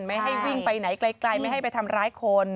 ไม่ให้วิ่งไปไหนไกลไม่ให้ไปทำร้ายคน